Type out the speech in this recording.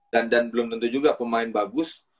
dan dan belum tentu juga pemain bagus